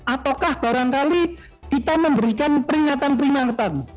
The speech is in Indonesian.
ataukah barangkali kita memberikan peringatan peringatan